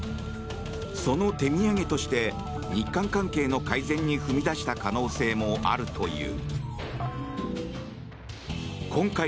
その手土産として日韓関係の改善に踏み出した可能性もあるという。